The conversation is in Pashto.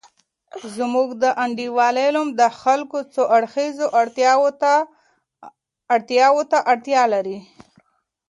زمونږ د انډول علم د خلګو څو اړخیزه اړتیاوو ته اړتیا لري.